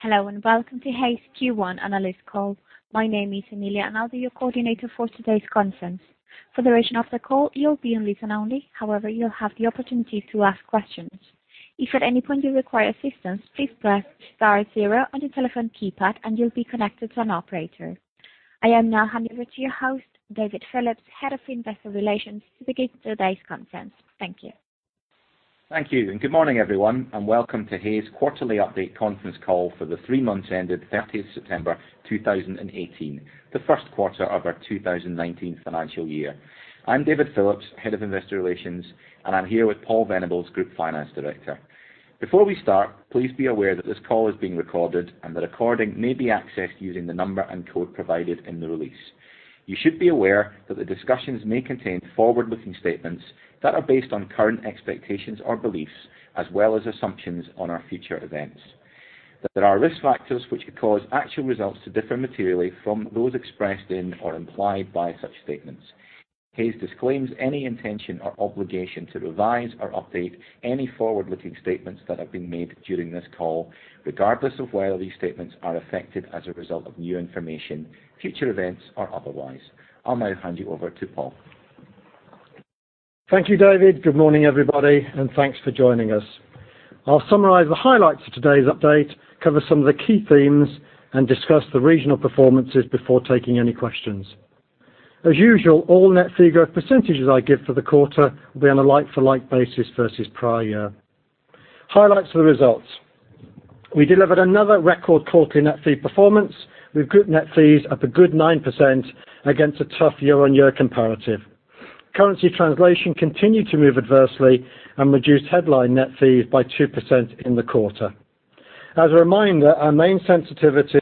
Hello, and welcome to Hays Q1 Analyst Call. My name is Emilia, and I'll be your coordinator for today's conference. For the duration of the call, you'll be on listen only. However, you'll have the opportunity to ask questions. If at any point you require assistance, please press star zero on your telephone keypad, and you'll be connected to an operator. I now hand over to your host, David Phillips, Head of Investor Relations, to begin today's conference. Thank you. Thank you, and good morning, everyone, and welcome to Hays Quarterly Update Conference Call for the three months ended 30th September 2018, the first quarter of our 2019 financial year. I'm David Phillips, Head of Investor Relations, and I'm here with Paul Venables, Group Finance Director. Before we start, please be aware that this call is being recorded, and the recording may be accessed using the number and code provided in the release. You should be aware that the discussions may contain forward-looking statements that are based on current expectations or beliefs, as well as assumptions on our future events. There are risk factors which could cause actual results to differ materially from those expressed in or implied by such statements. Hays disclaims any intention or obligation to revise or update any forward-looking statements that have been made during this call, regardless of whether these statements are affected as a result of new information, future events, or otherwise. I'll now hand you over to Paul. Thank you, David. Good morning, everybody, and thanks for joining us. I'll summarize the highlights of today's update, cover some of the key themes, and discuss the regional performances before taking any questions. As usual, all net figure percentages I give for the quarter will be on a like-for-like basis versus prior year. Highlights of the results. We delivered another record quarterly net fee performance, with group net fees up a good 9% against a tough year-on-year comparative. Currency translation continued to move adversely and reduced headline net fees by 2% in the quarter. As a reminder, our main sensitivities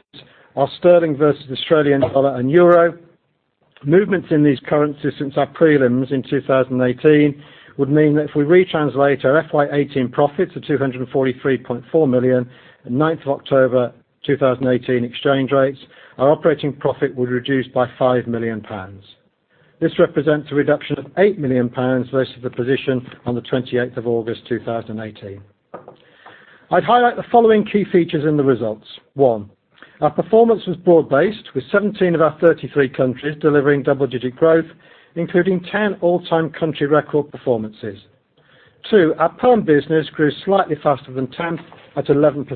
are sterling versus Australian dollar and euro. Movements in these currencies since our prelims in 2018 would mean that if we retranslate our FY 2018 profits of 243.4 million, at ninth of October 2018 exchange rates, our operating profit would reduce by 5 million pounds. This represents a reduction of 8 million pounds versus the position on the 28th of August 2018. I'd highlight the following key features in the results. One, our performance was broad-based, with 17 of our 33 countries delivering double-digit growth, including 10 all-time country record performances. Two, our perm business grew slightly faster than temp at 11%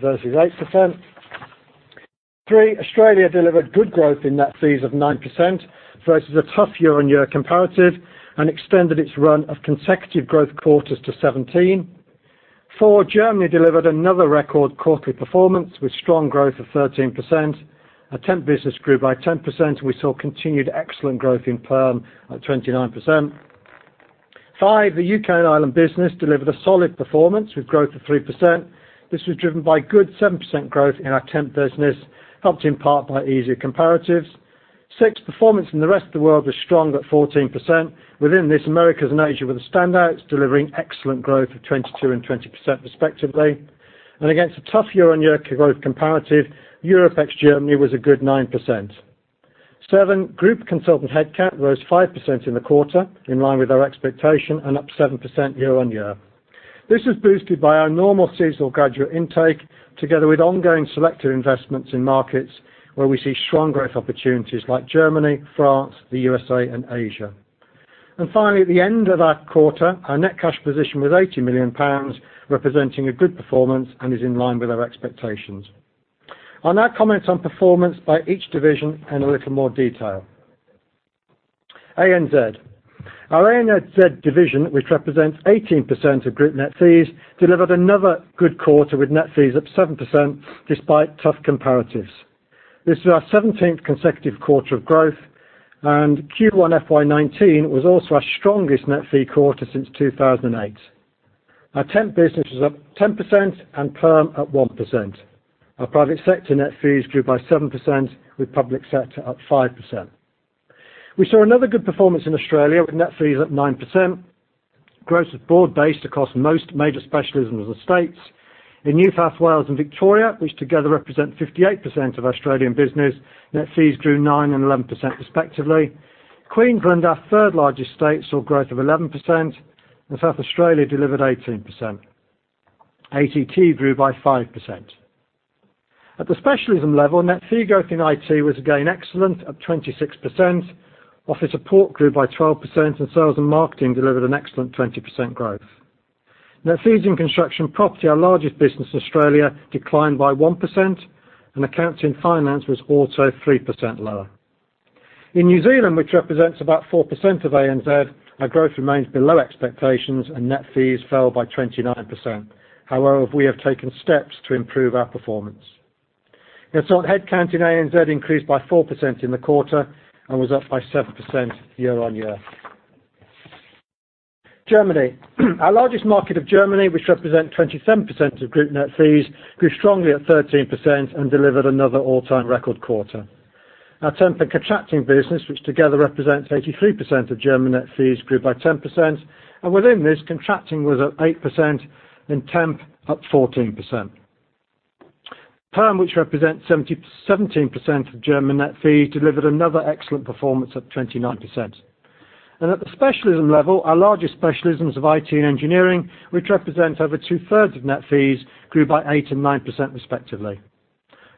versus 8%. Three, Australia delivered good growth in net fees of 9% versus a tough year-on-year comparative and extended its run of consecutive growth quarters to 17. Four, Germany delivered another record quarterly performance with strong growth of 13%. Our temp business grew by 10%, and we saw continued excellent growth in perm at 29%. Five, the U.K. and Ireland business delivered a solid performance with growth of 3%. This was driven by good 7% growth in our temp business, helped in part by easier comparatives. Six, performance in the rest of the world was strong at 14%. Within this, Americas and Asia were the standouts, delivering excellent growth of 22% and 20% respectively. Against a tough year-on-year growth comparative, Europe ex-Germany was a good 9%. Seven, group consultant headcount rose 5% in the quarter, in line with our expectation, and up 7% year-on-year. This was boosted by our normal seasonal graduate intake, together with ongoing selective investments in markets where we see strong growth opportunities like Germany, France, the U.S.A., and Asia. Finally, at the end of our quarter, our net cash position was 80 million pounds, representing a good performance and is in line with our expectations. I'll now comment on performance by each division in a little more detail. ANZ. Our ANZ division, which represents 18% of group net fees, delivered another good quarter, with net fees up 7%, despite tough comparatives. This is our 17th consecutive quarter of growth, and Q1 FY 2019 was also our strongest net fee quarter since 2008. Our temp business was up 10% and perm at 1%. Our private sector net fees grew by 7%, with public sector up 5%. We saw another good performance in Australia with net fees up 9%. Growth was broad-based across most major specialisms of the states. In New South Wales and Victoria, which together represent 58% of Australian business, net fees grew nine and 11% respectively. Queensland, our third largest state, saw growth of 11%, and South Australia delivered 18%. ACT grew by 5%. At the specialism level, net fee growth in IT was again excellent at 26%, office support grew by 12%, and sales and marketing delivered an excellent 20% growth. Net fees in construction and property, our largest business in Australia, declined by 1%, and accounts in finance was also 3% lower. In New Zealand, which represents about 4% of ANZ, our growth remains below expectations, and net fees fell by 29%. However, we have taken steps to improve our performance. Consultant headcount in ANZ increased by 4% in the quarter and was up by 7% year-on-year. Germany. Our largest market of Germany, which represents 27% of group net fees, grew strongly at 13% and delivered another all-time record quarter. Our temp and contracting business, which together represents 83% of German net fees, grew by 10%, and within this, contracting was up 8% and temp up 14%. Perm, which represents 17% of German net fee, delivered another excellent performance up 29%. At the specialism level, our largest specialisms of IT and engineering, which represent over two-thirds of net fees, grew by 8% and 9%, respectively.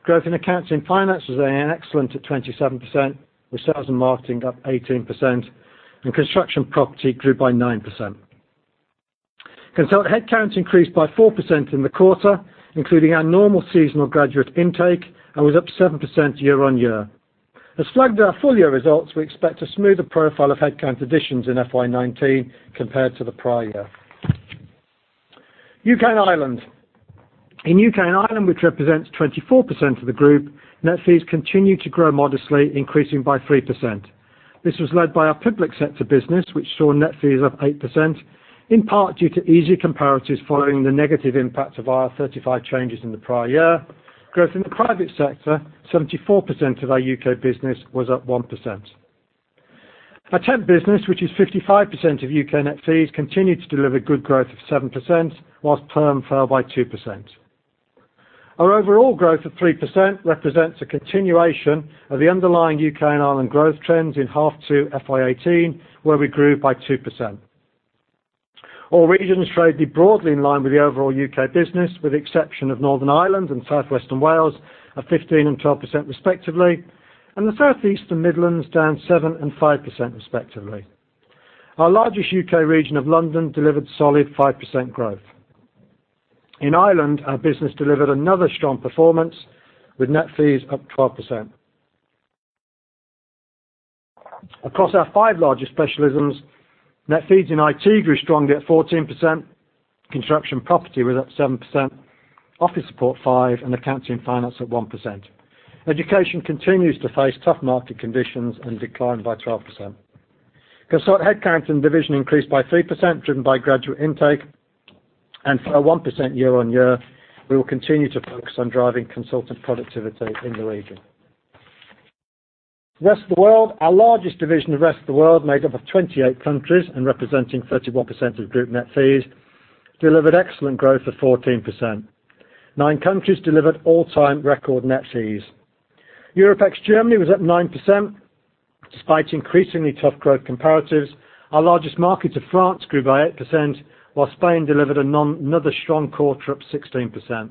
Growth in accounts and finance was excellent at 27%, with sales and marketing up 18%, and construction property grew by 9%. Consultant headcounts increased by 4% in the quarter, including our normal seasonal graduate intake, and was up 7% year-on-year. As flagged at our full-year results, we expect a smoother profile of headcount additions in FY 2019 compared to the prior year. U.K. and Ireland. In U.K. and Ireland, which represents 24% of the group, net fees continued to grow modestly, increasing by 3%. This was led by our public sector business, which saw net fees up 8%, in part due to easier comparatives following the negative impact of IR35 changes in the prior year. Growth in the private sector, 74% of our U.K. business, was up 1%. Our temp business, which is 55% of U.K. net fees, continued to deliver good growth of 7%, whilst perm fell by 2%. Our overall growth of 3% represents a continuation of the underlying U.K. and Ireland growth trends in half 2 FY 2018, where we grew by 2%. All regions traded broadly in line with the overall U.K. business, with the exception of Northern Ireland and southwestern Wales at 15% and 12% respectively, and the Southeast and Midlands down 7% and 5%, respectively. Our largest U.K. region of London delivered solid 5% growth. In Ireland, our business delivered another strong performance, with net fees up 12%. Across our five largest specialisms, net fees in IT grew strongly at 14%, construction and property were up 7%, office support 5%, and accounts and finance up 1%. Education continues to face tough market conditions and declined by 12%. Consultant headcount in the division increased by 3%, driven by graduate intake and fell 1% year-on-year. We will continue to focus on driving consultant productivity in the region. Rest of the World. Our largest division, the Rest of the World, made up of 28 countries and representing 31% of group net fees, delivered excellent growth of 14%. Nine countries delivered all-time record net fees. Europe ex-Germany was up 9%, despite increasingly tough growth comparatives. Our largest market of France grew by 8%, while Spain delivered another strong quarter, up 16%.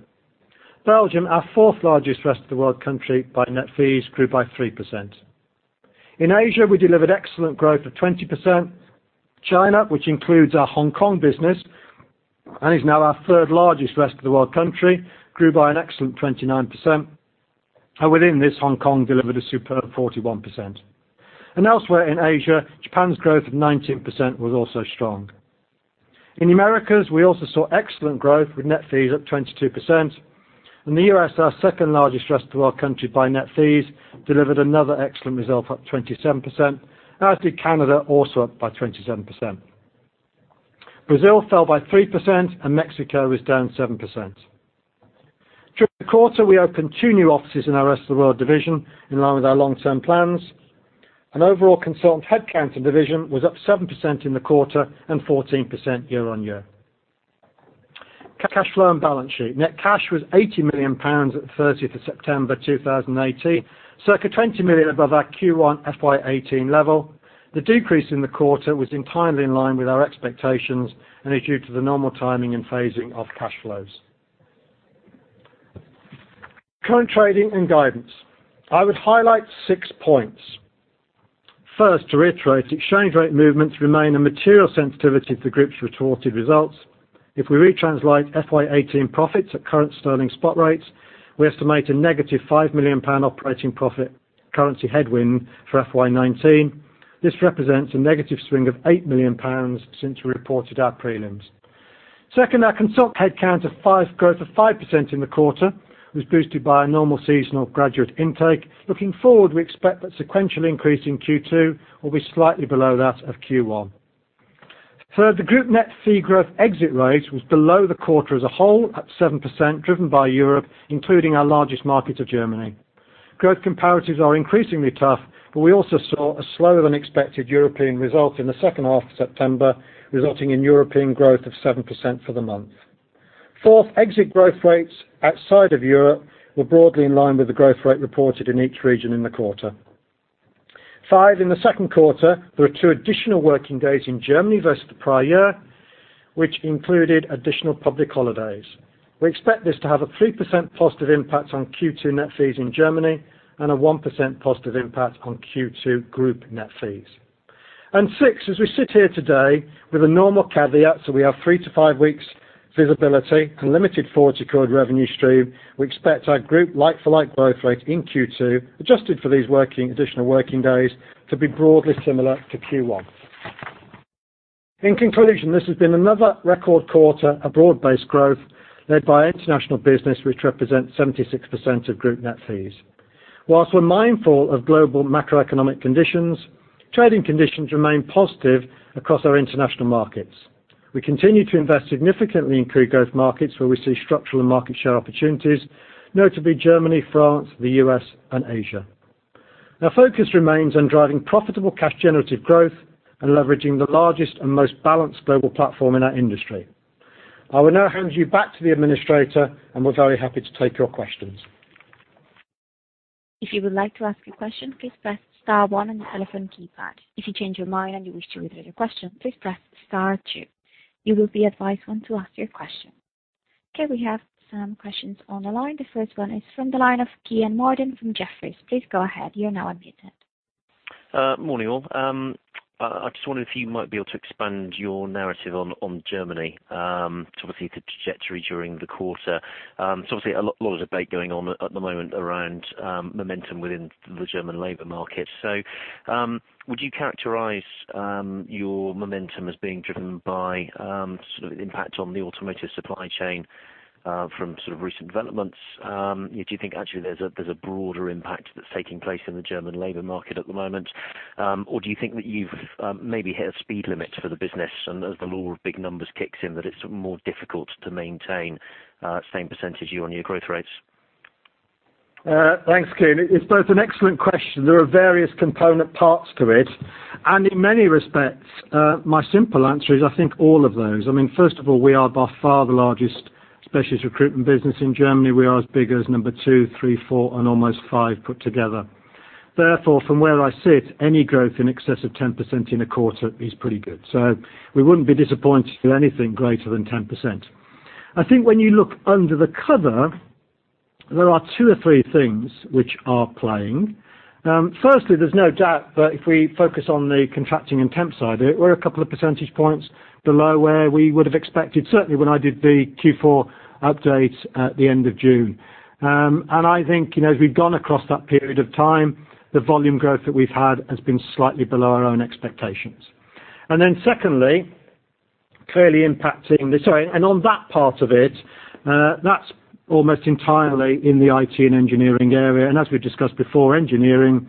Belgium, our fourth-largest Rest of the World country by net fees, grew by 3%. In Asia, we delivered excellent growth of 20%. China, which includes our Hong Kong business and is now our third-largest Rest of the World country, grew by an excellent 29%, and within this, Hong Kong delivered a superb 41%. Elsewhere in Asia, Japan's growth of 19% was also strong. In the Americas, we also saw excellent growth, with net fees up 22%, and the U.S., our second-largest Rest of the World country by net fees, delivered another excellent result, up 27%, as did Canada, also up by 27%. Brazil fell by 3%, and Mexico was down 7%. During the quarter, we opened two new offices in our Rest of the World division in line with our long-term plans. Overall consultant headcount in the division was up 7% in the quarter and 14% year-on-year. Cash flow and balance sheet. Net cash was 80 million pounds at the 30th of September 2018, circa 20 million above our Q1 FY 2018 level. The decrease in the quarter was entirely in line with our expectations and is due to the normal timing and phasing of cash flows. Current trading and guidance. I would highlight six points. First, to reiterate, exchange rate movements remain a material sensitivity to the group's reported results. If we retranslate FY 2018 profits at current sterling spot rates, we estimate a negative 5 million pound operating profit currency headwind for FY 2019. This represents a negative swing of 8 million pounds since we reported our prelims. Second, our consultant headcount growth of 5% in the quarter was boosted by a normal seasonal graduate intake. Looking forward, we expect that sequential increase in Q2 will be slightly below that of Q1. Third, the group net fee growth exit rate was below the quarter as a whole, up 7%, driven by Europe, including our largest market of Germany. Growth comparatives are increasingly tough. We also saw a slower-than-expected European result in the second half of September, resulting in European growth of 7% for the month. Fourth, exit growth rates outside of Europe were broadly in line with the growth rate reported in each region in the quarter. Five, in the second quarter, there were two additional working days in Germany versus the prior year, which included additional public holidays. We expect this to have a 3% positive impact on Q2 net fees in Germany and a 1% positive impact on Q2 group net fees. Six, as we sit here today, with a normal caveat, we have three to five weeks visibility and limited forward-recorded revenue stream, we expect our group like-for-like growth rate in Q2, adjusted for these additional working days, to be broadly similar to Q1. In conclusion, this has been another record quarter of broad-based growth led by our international business, which represents 76% of group net fees. Whilst we're mindful of global macroeconomic conditions, trading conditions remain positive across our international markets. We continue to invest significantly in key growth markets where we see structural and market share opportunities, notably Germany, France, the U.S., and Asia. Our focus remains on driving profitable cash generative growth and leveraging the largest and most balanced global platform in our industry. I will now hand you back to the administrator. We're very happy to take your questions. If you would like to ask a question, please press star one on your telephone keypad. If you change your mind and you wish to withdraw your question, please press star two. You will be advised when to ask your question. Okay, we have some questions on the line. The first one is from the line of Kean Marden from Jefferies. Please go ahead. You're now unmuted. Morning, all. I just wondered if you might be able to expand your narrative on Germany, obviously the trajectory during the quarter. It's obviously a lot of debate going on at the moment around momentum within the German labor market. Would you characterize your momentum as being driven by sort of impact on the automotive supply chain from recent developments? Do you think actually there's a broader impact that's taking place in the German labor market at the moment? Or do you think that you've maybe hit a speed limit for the business and as the law of big numbers kicks in, that it's more difficult to maintain same percentage year-over-year growth rates? Thanks, Kean. It's both an excellent question. There are various component parts to it. In many respects, my simple answer is, I think all of those. First of all, we are by far the largest specialist recruitment business in Germany. We are as big as number two, three, four, and almost five put together. Therefore, from where I sit, any growth in excess of 10% in a quarter is pretty good. We wouldn't be disappointed with anything greater than 10%. I think when you look under the cover, there are two or three things which are playing. Firstly, there's no doubt that if we focus on the contracting and temp side, we're a couple of percentage points below where we would have expected, certainly when I did the Q4 update at the end of June. I think, as we've gone across that period of time, the volume growth that we've had has been slightly below our own expectations. On that part of it, that's almost entirely in the IT and engineering area. As we've discussed before, engineering,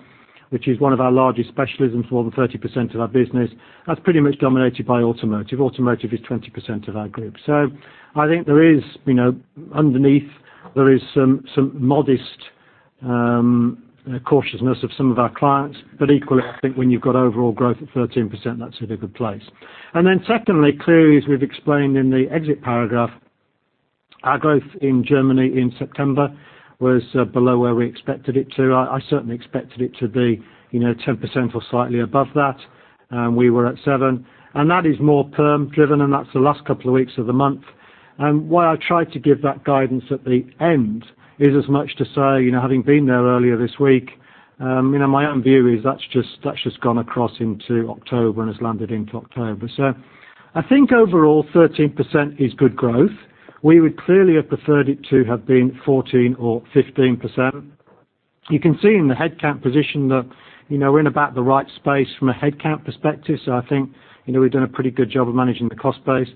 which is one of our largest specialisms, more than 30% of our business, that's pretty much dominated by automotive. Automotive is 20% of our group. I think underneath, there is some modest cautiousness of some of our clients. Equally, I think when you've got overall growth at 13%, that's in a good place. Secondly, clearly, as we've explained in the exit paragraph, our growth in Germany in September was below where we expected it to. I certainly expected it to be 10% or slightly above that. We were at seven, and that is more perm driven, that's the last couple of weeks of the month. Why I tried to give that guidance at the end is as much to say, having been there earlier this week, my own view is that's just gone across into October and has landed into October. I think overall, 13% is good growth. We would clearly have preferred it to have been 14 or 15%. You can see in the headcount position that we're in about the right space from a headcount perspective. I think we've done a pretty good job of managing the cost base.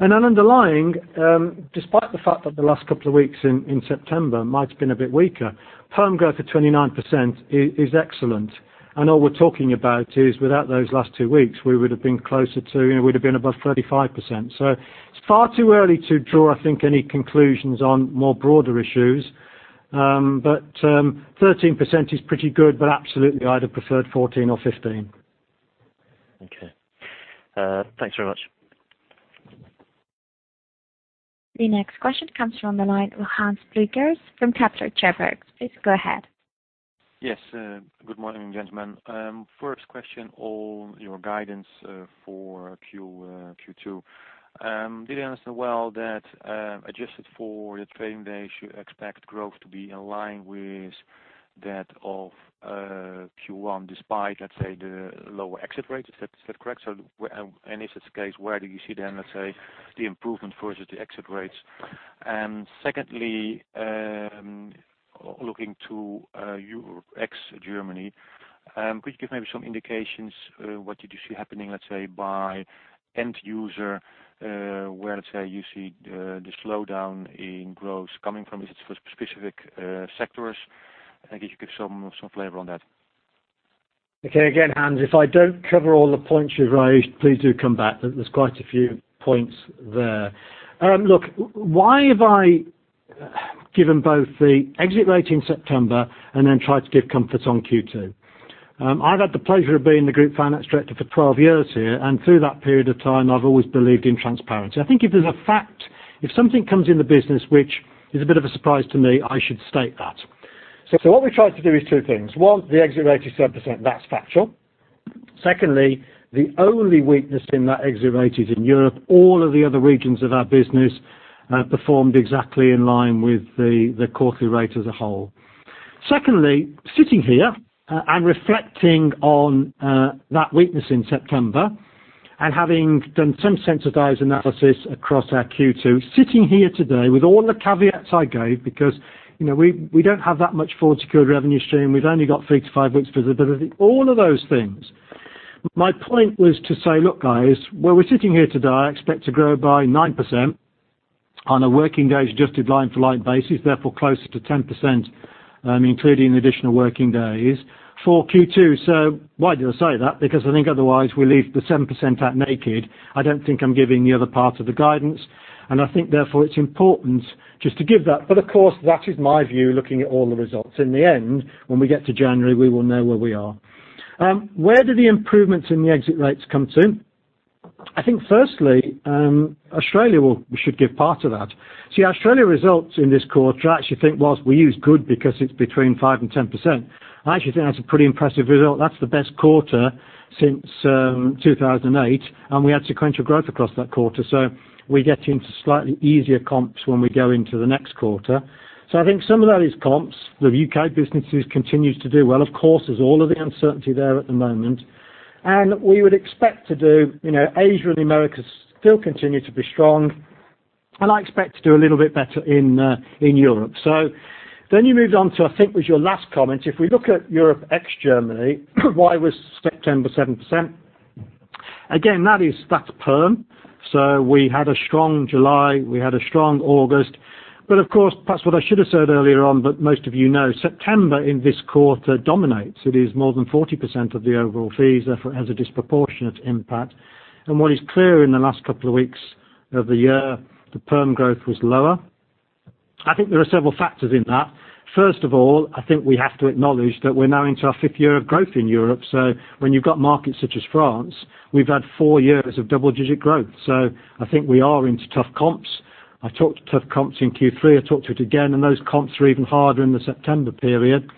Underlying, despite the fact that the last couple of weeks in September might have been a bit weaker, perm growth at 29% is excellent. All we're talking about is without those last two weeks, we would have been closer to above 35%. It's far too early to draw, I think, any conclusions on more broader issues. 13% is pretty good, but absolutely, I'd have preferred 14 or 15. Okay. Thanks very much. The next question comes from the line, Hans Bevers from Kepler Cheuvreux. Please go ahead. Yes. Good morning, gentlemen. First question on your guidance for Q2. Did I understand well that adjusted for the trading day, you expect growth to be in line with that of Q1 despite, let's say, the lower exit rate? Is that correct? If that's the case, where do you see then, let's say, the improvement versus the exit rates? Secondly, looking to ex-Germany, could you give maybe some indications what did you see happening, let's say, by end user, where, let's say, you see the slowdown in growth coming from? Is it for specific sectors? I think if you could give some flavor on that. Again, Hans, if I don't cover all the points you've raised, please do come back. There's quite a few points there. Why have I given both the exit rate in September and then tried to give comfort on Q2? I've had the pleasure of being the Group Finance Director for 12 years here, and through that period of time, I've always believed in transparency. I think if there's a fact, if something comes in the business which is a bit of a surprise to me, I should state that. What we tried to do is two things. One, the exit rate is 7%, that's factual. Secondly, the only weakness in that exit rate is in Europe. All of the other regions of our business performed exactly in line with the quarterly rate as a whole. Secondly, sitting here and reflecting on that weakness in September and having done some sensitized analysis across our Q2, sitting here today with all the caveats I gave, because we don't have that much forward-secured revenue stream. We've only got three to five weeks visibility, all of those things. My point was to say, guys, where we're sitting here today, I expect to grow by 9% on a working days adjusted like-for-like basis, therefore closer to 10%, including the additional working days for Q2. Why do I say that? Because I think otherwise we leave the 7% out naked. I don't think I'm giving the other part of the guidance. I think therefore it's important just to give that. Of course, that is my view looking at all the results. In the end, when we get to January, we will know where we are. Where do the improvements in the exit rates come from? I think firstly, Australia should give part of that. Australia results in this quarter, I actually think whilst we use good because it's between 5% and 10%, I actually think that's a pretty impressive result. That's the best quarter since 2008, and we had sequential growth across that quarter. We get into slightly easier comps when we go into the next quarter. I think some of that is comps. The U.K. businesses continues to do well. Of course, there's all of the uncertainty there at the moment. Asia and the Americas still continue to be strong, and I expect to do a little bit better in Europe. You moved on to, I think was your last comment, if we look at Europe ex-Germany, why was September 7%? Again, that is perm. We had a strong July, we had a strong August. Of course, perhaps what I should have said earlier on, but most of you know, September in this quarter dominates. It is more than 40% of the overall fees, therefore has a disproportionate impact. What is clear in the last couple of weeks of the year, the perm growth was lower. I think there are several factors in that. First of all, I think we have to acknowledge that we're now into our fifth year of growth in Europe. When you've got markets such as France, we've had four years of double-digit growth. I think we are into tough comps. I talked tough comps in Q3, I talked to it again, those comps are even harder in the September period.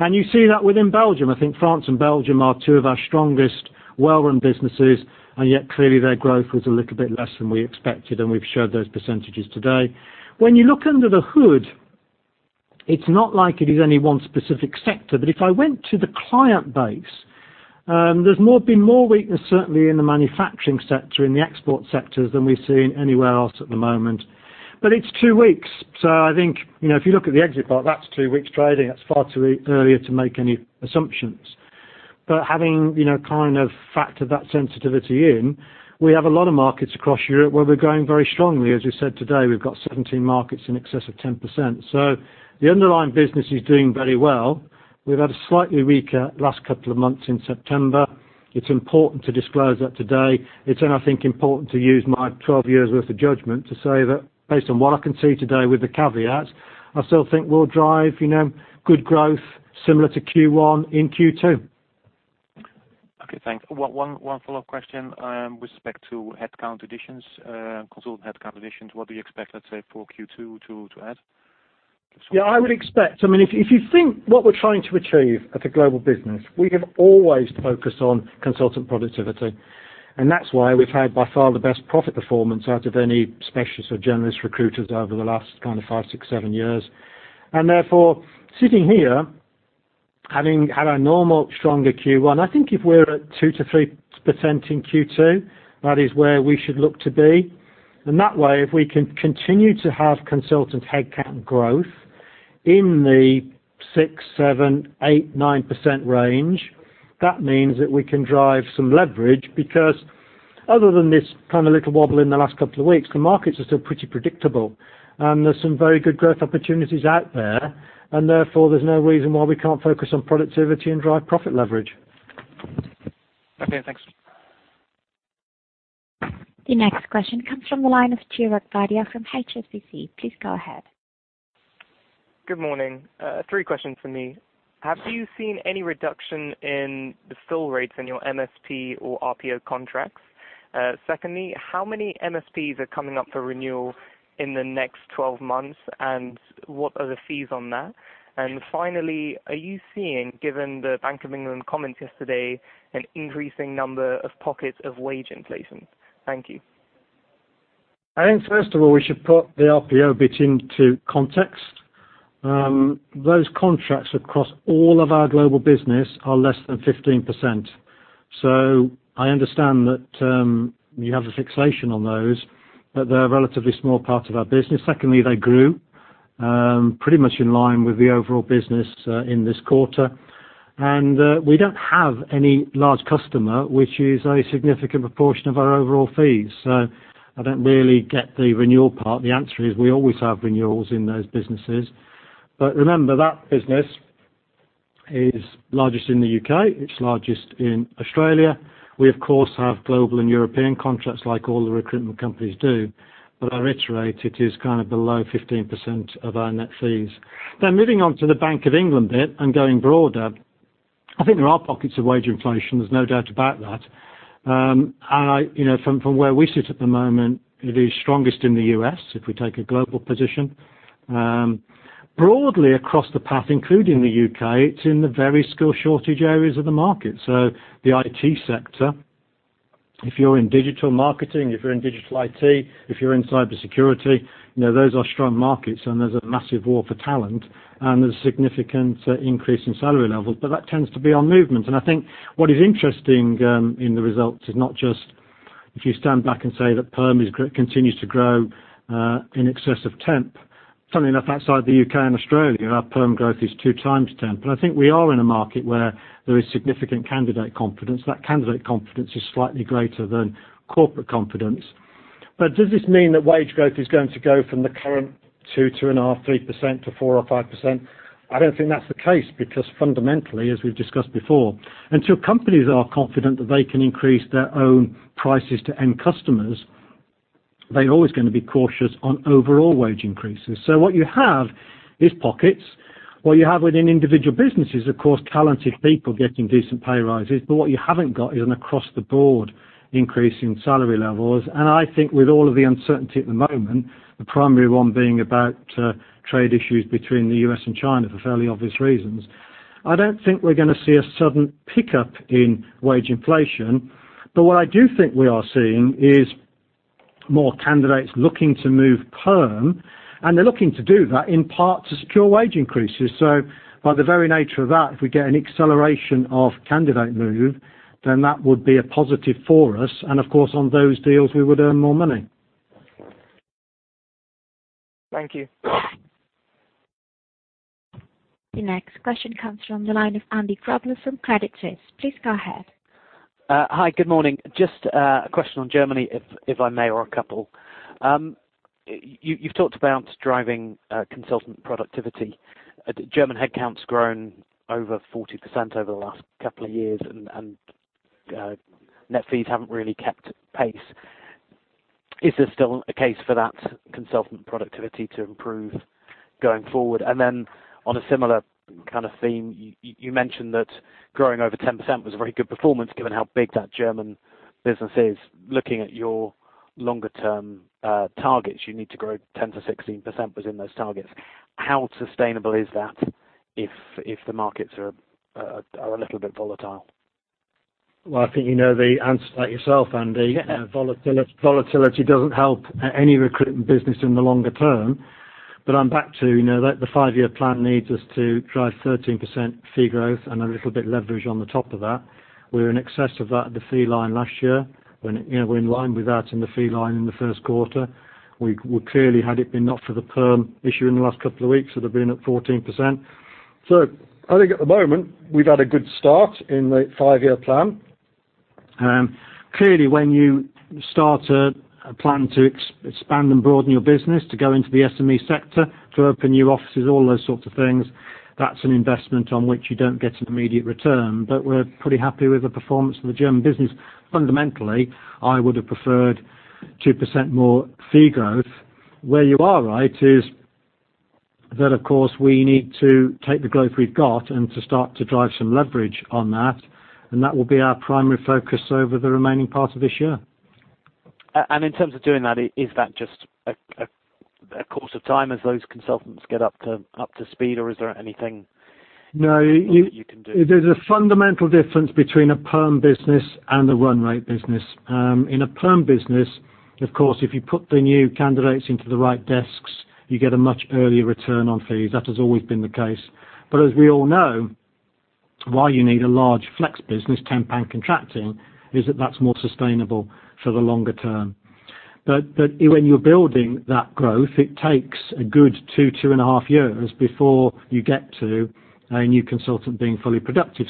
You see that within Belgium. I think France and Belgium are two of our strongest, well-run businesses, yet clearly their growth was a little bit less than we expected, and we've showed those percentages today. When you look under the hood, it's not like it is any one specific sector. If I went to the client base, there's been more weakness certainly in the manufacturing sector, in the export sectors than we've seen anywhere else at the moment. It's two weeks. I think, if you look at the exit part, that's two weeks trading. That's far too earlier to make any assumptions. Having factored that sensitivity in, we have a lot of markets across Europe where we're growing very strongly. As we said today, we've got 17 markets in excess of 10%. The underlying business is doing very well. We've had a slightly weaker last couple of months in September. It's important to disclose that today. It's I think, important to use my 12 years' worth of judgment to say that based on what I can see today with the caveats, I still think we'll drive good growth similar to Q1 in Q2. Okay, thanks. One follow-up question, with respect to headcount additions, consultant headcount additions, what do you expect, let's say, for Q2 to add? Yeah, if you think what we're trying to achieve as a global business, we have always focused on consultant productivity. That's why we've had by far the best profit performance out of any specialist or generalist recruiters over the last five, six, seven years. Therefore, sitting here, having had a normal, stronger Q1, I think if we're at 2%-3% in Q2, that is where we should look to be. In that way, if we can continue to have consultant headcount growth in the 6%, 7%, 8%, 9% range, that means that we can drive some leverage, because other than this little wobble in the last couple of weeks, the markets are still pretty predictable. There's some very good growth opportunities out there, therefore, there's no reason why we can't focus on productivity and drive profit leverage. Okay, thanks. The next question comes from the line of Chirag Bhadia from HSBC. Please go ahead. Good morning. Three questions from me. Have you seen any reduction in the bill rates in your MSP or RPO contracts? Secondly, how many MSPs are coming up for renewal in the next 12 months, and what are the fees on that? Finally, are you seeing, given the Bank of England comment yesterday, an increasing number of pockets of wage inflation? Thank you. I think first of all, we should put the RPO bit into context. Those contracts across all of our global business are less than 15%. I understand that you have a fixation on those, but they're a relatively small part of our business. Secondly, they grew, pretty much in line with the overall business in this quarter. We don't have any large customer which is a significant proportion of our overall fees. I don't really get the renewal part. The answer is we always have renewals in those businesses. Remember, that business is largest in the U.K., it's largest in Australia. We of course have global and European contracts like all the recruitment companies do. I reiterate, it is below 15% of our net fees. Moving on to the Bank of England bit and going broader, I think there are pockets of wage inflation, there's no doubt about that. From where we sit at the moment, it is strongest in the U.S., if we take a global position. Broadly across the path, including the U.K., it's in the very skill shortage areas of the market. The IT sector, if you're in digital marketing, if you're in digital IT, if you're in cybersecurity, those are strong markets, and there's a massive war for talent, and there's a significant increase in salary levels. But that tends to be on movement. I think what is interesting in the results is not just if you stand back and say that perm continues to grow in excess of temp. Funnily enough, outside the U.K. and Australia, our perm growth is two times temp. I think we are in a market where there is significant candidate confidence. That candidate confidence is slightly greater than corporate confidence. Does this mean that wage growth is going to go from the current 2.5%, 3% to 4% or 5%? I don't think that's the case, because fundamentally, as we've discussed before, until companies are confident that they can increase their own prices to end customers, they're always going to be cautious on overall wage increases. What you have is pockets. What you have within individual businesses, of course, talented people getting decent pay rises, but what you haven't got is an across the board increase in salary levels. I think with all of the uncertainty at the moment, the primary one being about trade issues between the U.S. and China, for fairly obvious reasons, I don't think we're going to see a sudden pickup in wage inflation. What I do think we are seeing is more candidates looking to move perm, and they're looking to do that in part to secure wage increases. By the very nature of that, if we get an acceleration of candidate move, then that would be a positive for us. Of course, on those deals, we would earn more money. Thank you. The next question comes from the line of Andy Grobler from Credit Suisse. Please go ahead. Hi. Good morning. Just a question on Germany, if I may, or a couple. You've talked about driving consultant productivity. German headcount's grown over 40% over the last couple of years, and net fees haven't really kept pace. Is there still a case for that consultant productivity to improve going forward? On a similar kind of theme, you mentioned that growing over 10% was a very good performance given how big that German business is. Looking at your longer-term targets, you need to grow 10%-16% was in those targets. How sustainable is that if the markets are a little bit volatile? Well, I think you know the answer to that yourself, Andy. Yeah. Volatility doesn't help any recruitment business in the longer term. I'm back to the five-year plan needs us to drive 13% fee growth and a little bit leverage on the top of that. We're in excess of that at the fee line last year. We're in line with that in the fee line in the first quarter. Clearly, had it been not for the perm issue in the last couple of weeks, it would have been at 14%. I think at the moment we've had a good start in the five-year plan. Clearly, when you start a plan to expand and broaden your business, to go into the SME sector, to open new offices, all those sorts of things, that's an investment on which you don't get an immediate return. We're pretty happy with the performance of the German business. Fundamentally, I would have preferred 2% more fee growth. Where you are right is that, of course, we need to take the growth we've got and to start to drive some leverage on that, and that will be our primary focus over the remaining part of this year. In terms of doing that, is that just a course of time as those consultants get up to speed, or is there anything- No you can do? There's a fundamental difference between a perm business and a run rate business. In a perm business, of course, if you put the new candidates into the right desks, you get a much earlier return on fees. That has always been the case. As we all know, why you need a large flex business, temp and contracting, is that that's more sustainable for the longer term. When you're building that growth, it takes a good two and a half years before you get to a new consultant being fully productive.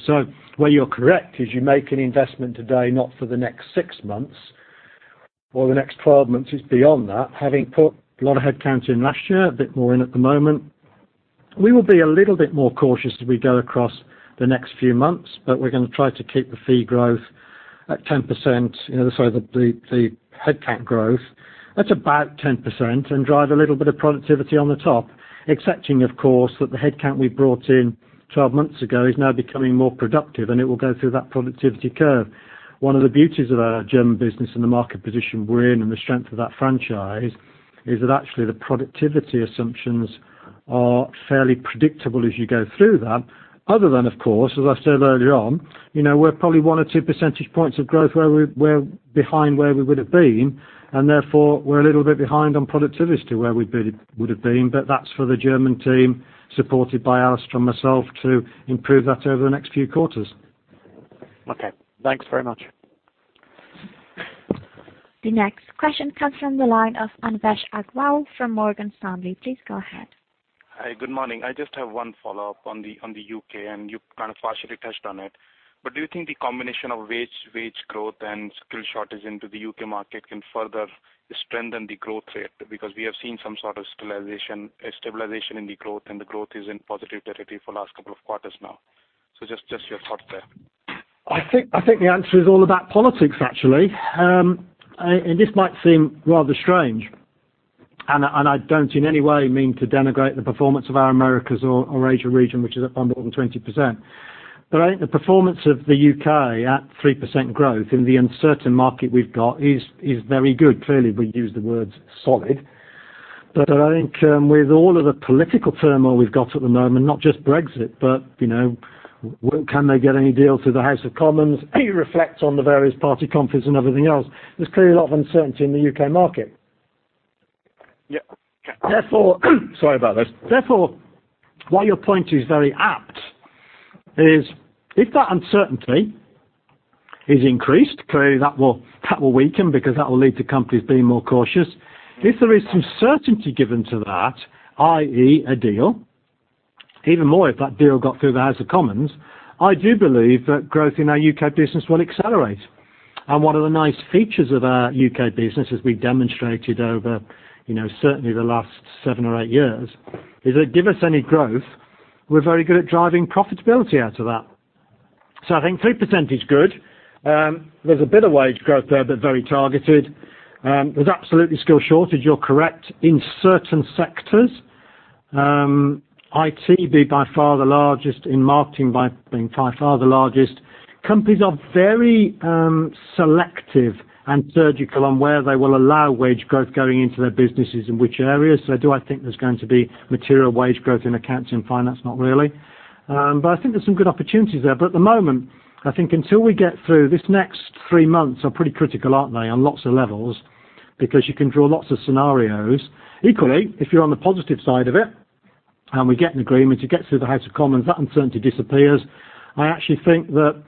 Where you're correct is you make an investment today, not for the next six months or the next 12 months. It's beyond that. Having put a lot of headcount in last year, a bit more in at the moment, we will be a little bit more cautious as we go across the next few months, but we're going to try to keep the fee growth at 10%. Sorry, the headcount growth at about 10% and drive a little bit of productivity on the top, excepting, of course, that the headcount we brought in 12 months ago is now becoming more productive, and it will go through that productivity curve. One of the beauties of our German business and the market position we're in and the strength of that franchise, is that actually the productivity assumptions are fairly predictable as you go through that. Other than, of course, as I said earlier on, we're probably one or two percentage points of growth where we're behind where we would have been, and therefore we're a little bit behind on productivity where we would have been. That's for the German team, supported by Alistair and myself, to improve that over the next few quarters. Okay. Thanks very much. The next question comes from the line of Anvesh Agrawal from Morgan Stanley. Please go ahead. Hi. Good morning. I just have one follow-up on the U.K., and you kind of partially touched on it. Do you think the combination of wage growth and skill shortage into the U.K. market can further strengthen the growth rate? We have seen some sort of stabilization in the growth, and the growth is in positivity for the last couple of quarters now. Just your thoughts there. I think the answer is all about politics, actually. This might seem rather strange, and I don't in any way mean to denigrate the performance of our Americas or Asia region, which is up 120%. I think the performance of the U.K. at 3% growth in the uncertain market we've got is very good. Clearly, we use the word solid, but I think with all of the political turmoil we've got at the moment, not just Brexit, but can they get any deal through the House of Commons? Reflect on the various party conference and everything else. There's clearly a lot of uncertainty in the U.K. market. Yeah. Sorry about this. While your point is very apt, is if that uncertainty is increased, clearly that will weaken because that will lead to companies being more cautious. If there is some certainty given to that, i.e., a deal, even more if that deal got through the House of Commons, I do believe that growth in our U.K. business will accelerate. One of the nice features of our U.K. business, as we demonstrated over certainly the last seven or eight years, is that give us any growth, we're very good at driving profitability out of that. I think 3% is good. There's a bit of wage growth there, but very targeted. There's absolutely skill shortage, you're correct, in certain sectors. IT would be by far the largest, in marketing by being far the largest. Companies are very selective and surgical on where they will allow wage growth going into their businesses, in which areas. Do I think there's going to be material wage growth in accounts and finance? Not really. I think there are some good opportunities there. At the moment, I think until we get through this next three months are pretty critical, aren't they, on lots of levels, because you can draw lots of scenarios. Equally, if you're on the positive side of it and we get an agreement, it gets through the House of Commons, that uncertainty disappears. I actually think that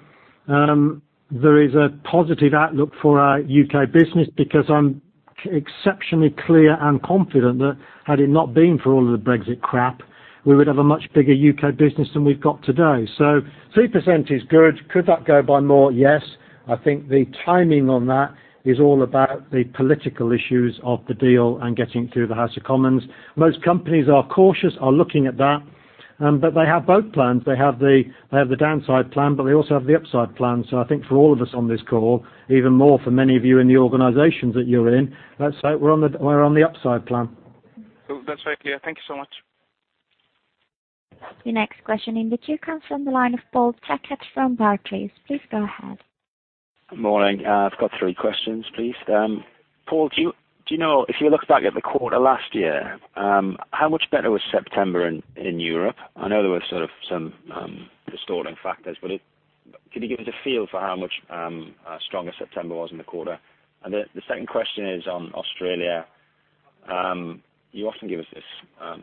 there is a positive outlook for our U.K. business because I'm exceptionally clear and confident that had it not been for all of the Brexit crap, we would have a much bigger U.K. business than we've got today. 3% is good. Could that go by more? Yes. I think the timing on that is all about the political issues of the deal and getting through the House of Commons. Most companies are cautious, are looking at that. They have both plans. They have the downside plan, they also have the upside plan. I think for all of us on this call, even more for many of you in the organizations that you're in, let's say we're on the upside plan. That's very clear. Thank you so much. Your next question in the queue comes from the line of Paul Teckock from Barclays. Please go ahead. Good morning. I've got three questions, please. Paul, do you know if you look back at the quarter last year, how much better was September in Europe? I know there were some distorting factors, can you give us a feel for how much stronger September was in the quarter? The second question is on Australia. You often give us this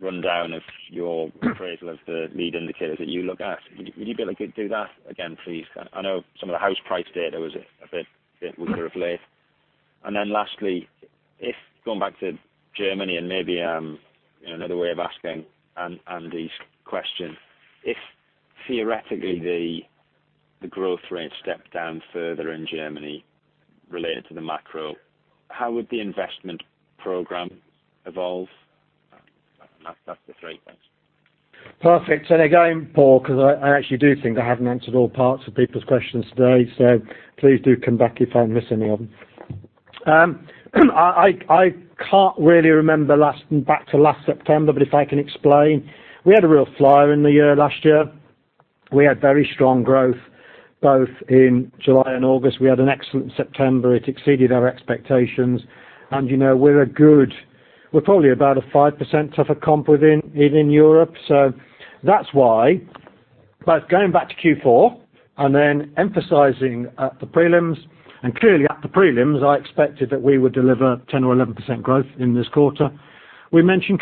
rundown of your appraisal of the lead indicators that you look at. Would you be able to do that again, please? I know some of the house price data was a bit weaker of late. Lastly, if going back to Germany and maybe another way of asking Andy's question, if theoretically the growth rate stepped down further in Germany related to the macro, how would the investment program evolve? That's the three things. Perfect. Again, Paul, because I actually do think I haven't answered all parts of people's questions today, please do come back if I miss any of them. I can't really remember back to last September, if I can explain, we had a real flyer in the year last year. We had very strong growth both in July and August. We had an excellent September. It exceeded our expectations. We're probably about a 5% tougher comp within even Europe. That's why both going back to Q4 and then emphasizing at the prelims, and clearly at the prelims, I expected that we would deliver 10% or 11% growth in this quarter. We mentioned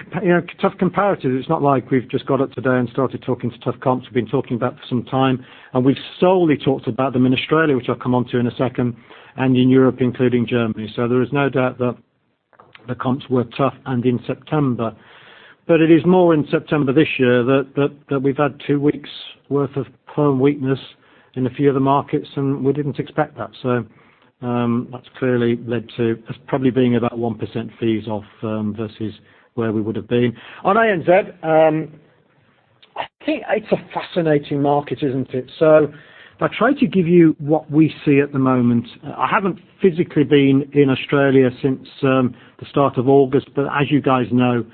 tough comparatives. It's not like we've just got up today and started talking to tough comps. We've been talking about for some time, we've solely talked about them in Australia, which I'll come onto in a second, and in Europe, including Germany. There is no doubt that the comps were tough and in September. It is more in September this year that we've had two weeks worth of perm weakness in a few of the markets, and we didn't expect that. That's clearly led to us probably being about 1% fees off versus where we would have been. On ANZ, I think it's a fascinating market, isn't it? If I try to give you what we see at the moment, I haven't physically been in Australia since the start of August, but as you guys know,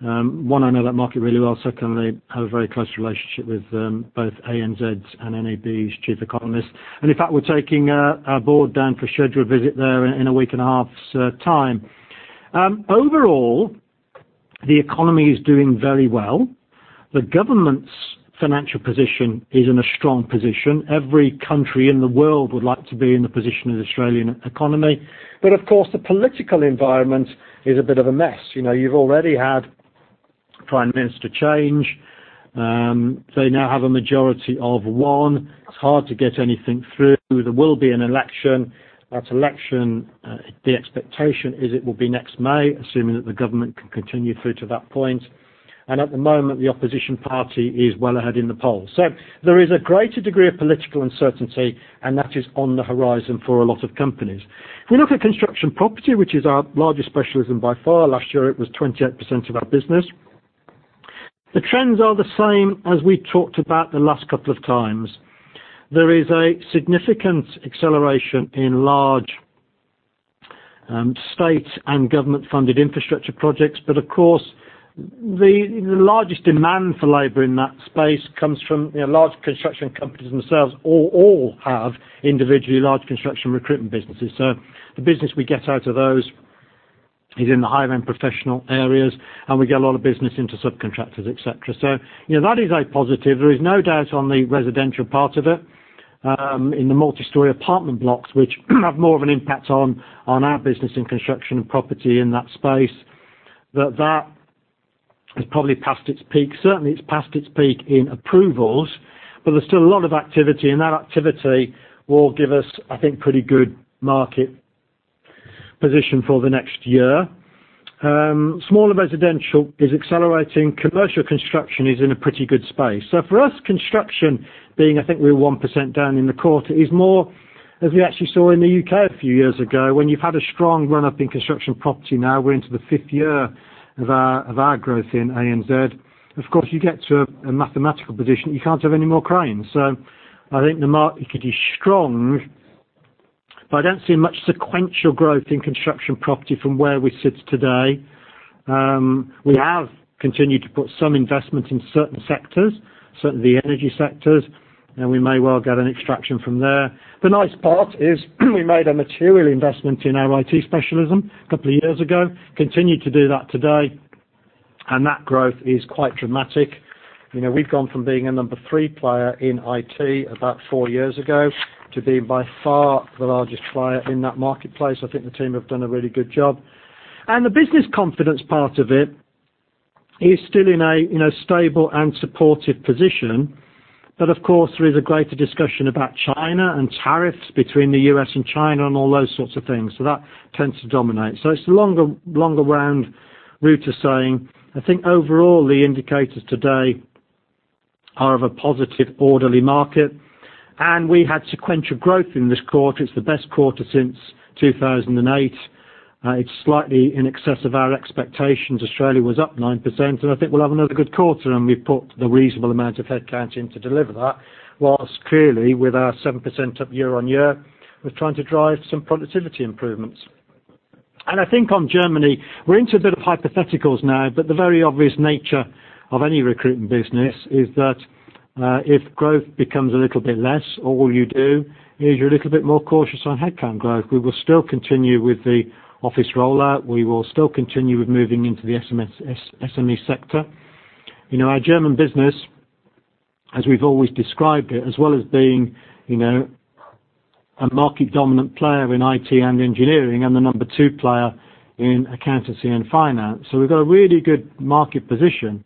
one, I know that market really well. Secondly, I have a very close relationship with both ANZ's and NAB's chief economist. In fact, we're taking our board down for a scheduled visit there in a week and a half's time. Overall, the economy is doing very well. The government's financial position is in a strong position. Every country in the world would like to be in the position of the Australian economy. Of course, the political environment is a bit of a mess. You've already had prime minister change. They now have a majority of one. It's hard to get anything through. There will be an election. That election, the expectation is it will be next May, assuming that the government can continue through to that point. At the moment, the opposition party is well ahead in the polls. There is a greater degree of political uncertainty, and that is on the horizon for a lot of companies. If we look at construction property, which is our largest specialism by far, last year it was 28% of our business. The trends are the same as we talked about the last couple of times. There is a significant acceleration in large state and government-funded infrastructure projects. Of course, the largest demand for labor in that space comes from large construction companies themselves, all have individually large construction recruitment businesses. The business we get out of those is in the high-end professional areas, and we get a lot of business into subcontractors, et cetera. That is a positive. There is no doubt on the residential part of it, in the multi-story apartment blocks, which have more of an impact on our business in construction and property in that space, that that is probably past its peak. Certainly, it's past its peak in approvals, but there's still a lot of activity, and that activity will give us, I think, pretty good market position for the next year. Smaller residential is accelerating. Commercial construction is in a pretty good space. For us, construction being, I think we're 1% down in the quarter, is more as we actually saw in the U.K. a few years ago when you've had a strong run-up in construction property, now we're into the fifth year of our growth in ANZ. Of course, you get to a mathematical position. You can't have any more cranes. I think the market is strong. I don't see much sequential growth in construction property from where we sit today. We have continued to put some investment in certain sectors, certainly the energy sectors, and we may well get an extraction from there. The nice part is we made a material investment in our IT specialism a couple of years ago, continue to do that today, and that growth is quite dramatic. We've gone from being a number 3 player in IT about four years ago to being by far the largest player in that marketplace. I think the team have done a really good job. The business confidence part of it is still in a stable and supportive position. Of course, there is a greater discussion about China and tariffs between the U.S. and China and all those sorts of things. That tends to dominate. It's the longer round route to saying, I think overall, the indicators today are of a positive, orderly market, and we had sequential growth in this quarter. It's the best quarter since 2008. It's slightly in excess of our expectations. Australia was up 9%, and I think we'll have another good quarter, and we've put the reasonable amount of headcount in to deliver that, whilst clearly, with our 7% up year-on-year, we're trying to drive some productivity improvements. I think on Germany, we're into a bit of hypotheticals now. The very obvious nature of any recruitment business is that if growth becomes a little bit less, all you do is you're a little bit more cautious on headcount growth. We will still continue with the office rollout. We will still continue with moving into the SME sector. Our German business, as we've always described it, as well as being a market dominant player in IT and engineering, and the number 2 player in accountancy and finance. We've got a really good market position.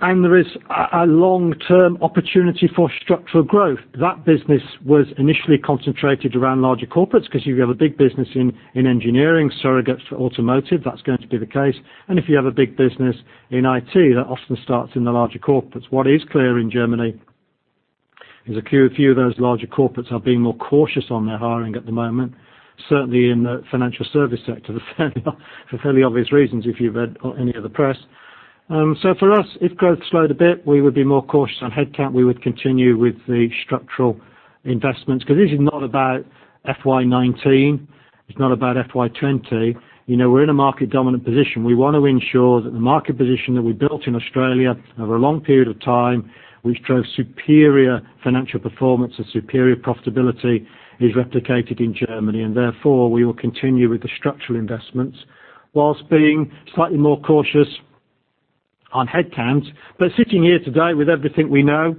There is a long-term opportunity for structural growth. That business was initially concentrated around larger corporates because you have a big business in engineering, surrogates for automotive. That's going to be the case. If you have a big business in IT, that often starts in the larger corporates. What is clear in Germany is a few of those larger corporates are being more cautious on their hiring at the moment, certainly in the financial service sector, for fairly obvious reasons if you read any of the press. For us, if growth slowed a bit, we would be more cautious on headcount. We would continue with the structural investments, because this is not about FY 2019. It's not about FY 2020. We're in a market dominant position. We want to ensure that the market position that we built in Australia over a long period of time, which drove superior financial performance and superior profitability, is replicated in Germany. Therefore we will continue with the structural investments whilst being slightly more cautious on headcounts. Sitting here today with everything we know,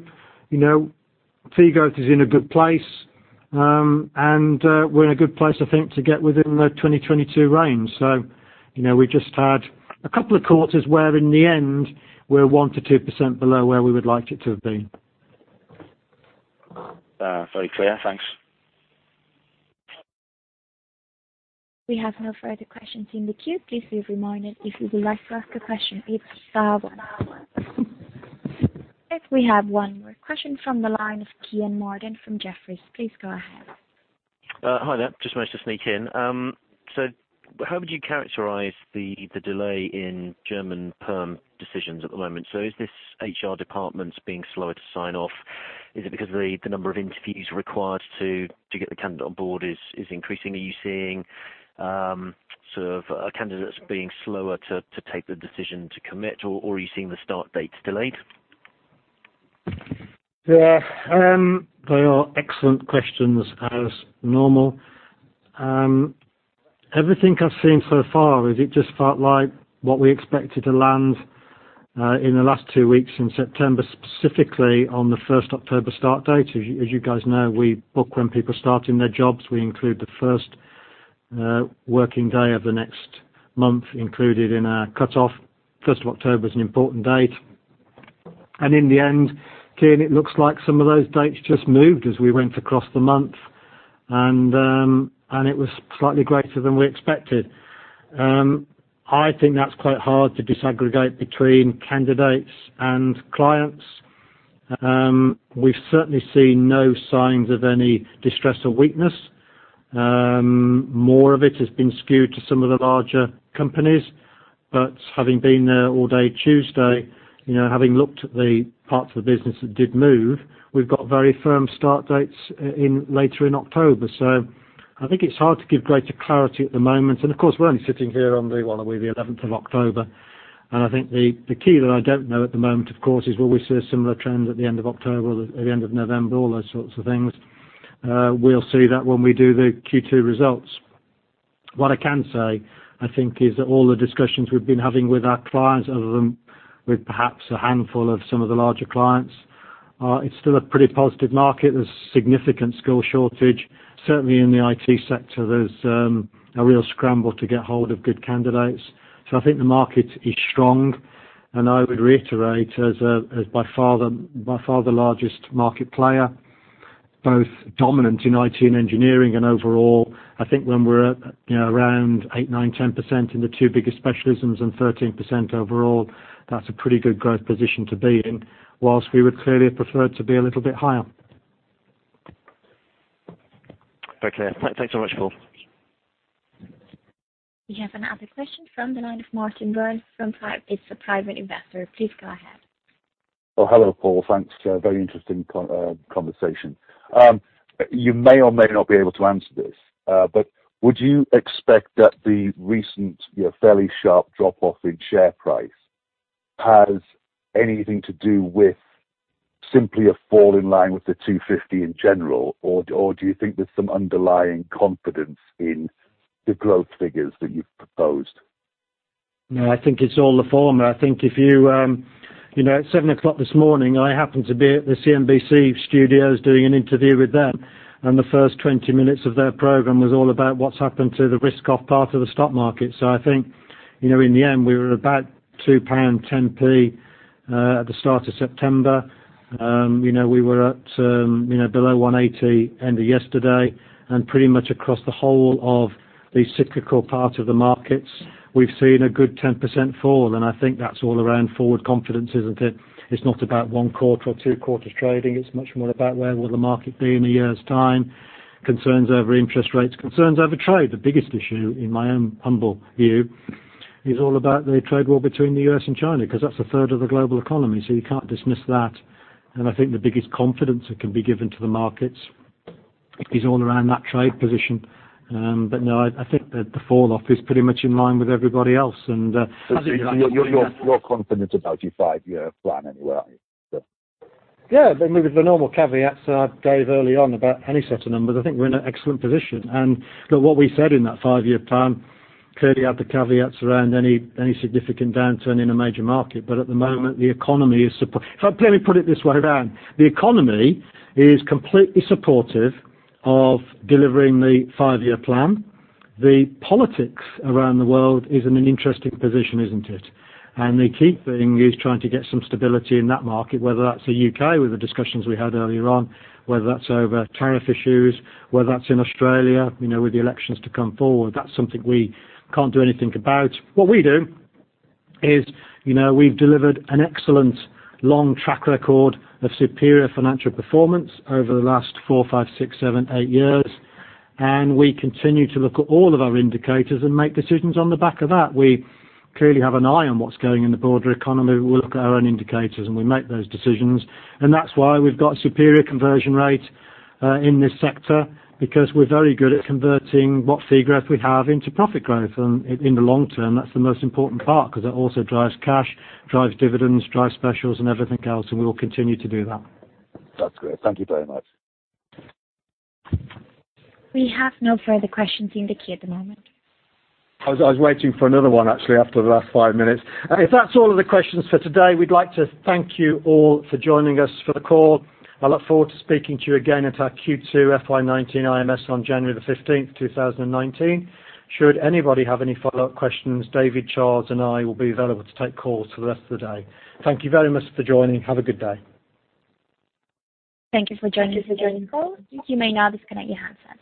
Tegos is in a good place, and we're in a good place, I think, to get within the 2022 range. We just had a couple of quarters where, in the end, we're 1%-2% below where we would like it to have been. Very clear. Thanks. We have no further questions in the queue. Please be reminded, if you would like to ask a question, please dial one. We have one more question from the line of Kean Marden from Jefferies. Please go ahead. Hi there. Just managed to sneak in. How would you characterize the delay in German perm decisions at the moment? Is this HR departments being slower to sign off? Is it because the number of interviews required to get the candidate on board is increasingly you seeing sort of candidates being slower to take the decision to commit, or are you seeing the start dates delayed? Yeah. They are excellent questions as normal. Everything I've seen so far is it just felt like what we expected to land, in the last two weeks in September, specifically on the 1st October start date. You guys know, we book when people start in their jobs. We include the first working day of the next month included in our cutoff. 1st of October is an important date. In the end, Kean, it looks like some of those dates just moved as we went across the month, and it was slightly greater than we expected. I think that's quite hard to disaggregate between candidates and clients. We've certainly seen no signs of any distress or weakness. More of it has been skewed to some of the larger companies, but having been there all day Tuesday, having looked at the parts of the business that did move, we've got very firm start dates later in October. I think it's hard to give greater clarity at the moment. Of course, we're only sitting here on the, what are we, the 11th of October. I think the key that I don't know at the moment, of course, is will we see a similar trend at the end of October or at the end of November, all those sorts of things. We'll see that when we do the Q2 results. What I can say, I think, is that all the discussions we've been having with our clients, other than with perhaps a handful of some of the larger clients, it's still a pretty positive market. There's a significant skill shortage. Certainly in the IT sector, there's a real scramble to get hold of good candidates. I think the market is strong, and I would reiterate, as by far the largest market player, both dominant in IT and engineering and overall, I think when we're around eight, nine, 10% in the two biggest specialisms and 13% overall, that's a pretty good growth position to be in, whilst we would clearly have preferred to be a little bit higher. Very clear. Thanks so much, Paul. We have another question from the line of Martin Burns. It's a private investor. Please go ahead. Well, hello, Paul. Thanks. Very interesting conversation. Would you expect that the recent fairly sharp drop-off in share price has anything to do with simply a fall in line with the FTSE 250 in general? Or do you think there's some underlying confidence in the growth figures that you've proposed? I think it's all the former. At 7:00 this morning, I happened to be at the CNBC studios doing an interview with them, the first 20 minutes of their program was all about what's happened to the risk-off part of the stock market. I think, in the end, we were about 2.10 pound at the start of September. We were at below 1.80 end of yesterday, pretty much across the whole of the cyclical part of the markets. We've seen a good 10% fall, I think that's all around forward confidence, isn't it? It's not about one quarter or two quarters trading. It's much more about where will the market be in a year's time, concerns over interest rates, concerns over trade. The biggest issue, in my own humble view, is all about the trade war between the U.S. and China, because that's a third of the global economy, you can't dismiss that. I think the biggest confidence that can be given to the markets is all around that trade position. I think that the falloff is pretty much in line with everybody else. You're confident about your five-year plan anyway, aren't you? With the normal caveats that I gave early on about any set of numbers. I think we're in an excellent position. Look, what we said in that five-year plan clearly had the caveats around any significant downturn in a major market. At the moment, the economy is completely supportive of delivering the five-year plan. The politics around the world is in an interesting position, isn't it? The key thing is trying to get some stability in that market, whether that's the U.K. with the discussions we had earlier on, whether that's over tariff issues, whether that's in Australia, with the elections to come forward. That's something we can't do anything about. What we do is we've delivered an excellent long track record of superior financial performance over the last four, five, six, seven, eight years. We continue to look at all of our indicators and make decisions on the back of that. We clearly have an eye on what's going in the broader economy. We look at our own indicators, and we make those decisions. That's why we've got superior conversion rate in this sector because we're very good at converting what figure we have into profit growth. In the long term, that's the most important part because it also drives cash, drives dividends, drives specials and everything else, and we will continue to do that. That's great. Thank you very much. We have no further questions in the queue at the moment. I was waiting for another one actually after the last five minutes. If that's all of the questions for today, we'd like to thank you all for joining us for the call. I look forward to speaking to you again at our Q2 FY 2019 IMS on January 15th, 2019. Should anybody have any follow-up questions, David Phillips and I will be available to take calls for the rest of the day. Thank you very much for joining. Have a good day. Thank you for joining the call. You may now disconnect your handsets.